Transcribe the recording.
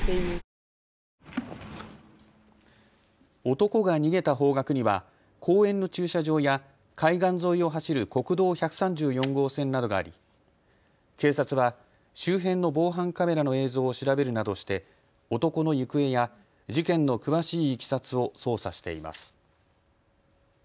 男が逃げた方角には公園の駐車場や海岸沿いを走る国道１３４号線などがあり警察は周辺の防犯カメラの映像を調べるなどして男の行方や事件の詳しいいきさつを捜査しています。